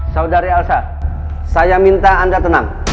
saudari elsa saya minta anda tenang